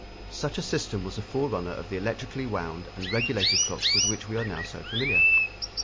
Such a system was the forerunner of the electrically wound and regulated clocks with which we are now so familiar.